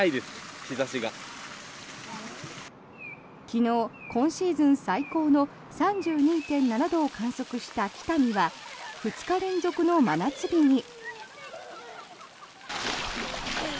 昨日、今シーズン最高の３２．７度を観測した北見は２日連続の真夏日に。